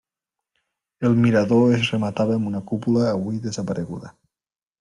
El mirador es rematava amb una cúpula avui desapareguda.